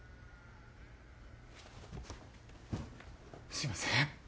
すいません